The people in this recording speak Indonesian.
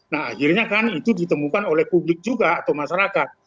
nah akhirnya kan itu ditemukan oleh publik juga atau masyarakat